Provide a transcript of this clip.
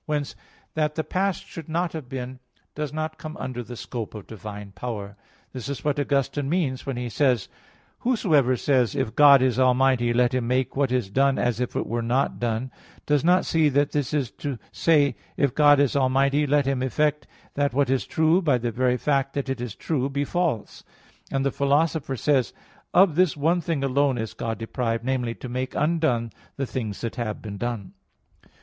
Whence, that the past should not have been, does not come under the scope of divine power. This is what Augustine means when he says (Contra Faust. xxix, 5): "Whosoever says, If God is almighty, let Him make what is done as if it were not done, does not see that this is to say: If God is almighty let Him effect that what is true, by the very fact that it is true, be false": and the Philosopher says (Ethic. vi, 2): "Of this one thing alone is God deprived namely, to make undone the things that have been done."